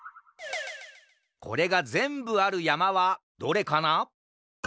これがぜんぶあるやまはどれかな？